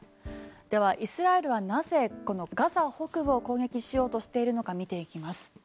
では、イスラエルはなぜガザ北部を攻撃しようとしているのか見ていきます。